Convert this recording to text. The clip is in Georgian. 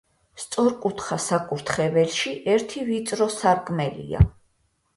სწორკუთხა საკურთხეველში ერთი ვიწრო სარკმელია.